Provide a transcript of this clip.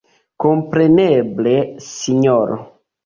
Kompreneble, sinjoro!